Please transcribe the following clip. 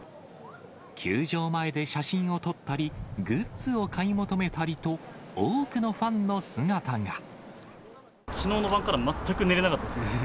球場前で写真を撮ったり、グッズを買い求めたりと、多くのファンきのうの晩から全く寝れなかったですね。